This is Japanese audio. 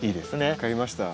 分かりました。